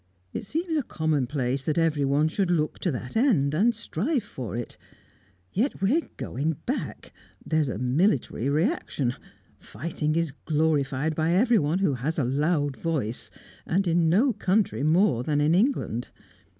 It seems a commonplace that everyone should look to that end, and strive for it. Yet we're going back there's a military reaction fighting is glorified by everyone who has a loud voice, and in no country more than in England.